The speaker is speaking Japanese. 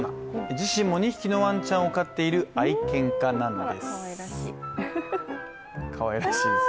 自身も２匹のワンちゃんを飼っている愛犬家なんです。